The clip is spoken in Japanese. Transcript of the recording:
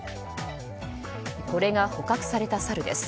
これが捕獲されたサルです。